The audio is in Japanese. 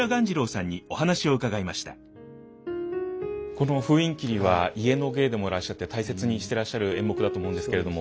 この「封印切」は家の芸でもらっしゃって大切にしてらっしゃる演目だと思うんですけれども。